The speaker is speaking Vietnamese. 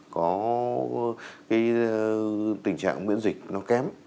có cái tình trạng miễn dịch nó kém